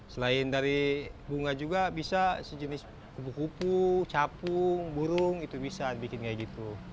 selain dari bunga juga bisa sejenis kupu kupu capung burung itu bisa bikin kayak gitu